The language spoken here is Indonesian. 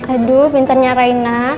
aduh pinternya reina